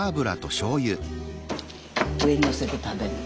上にのせて食べるの。